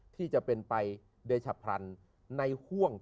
ที่จะเป็นไปเดชะพรรณในห่วง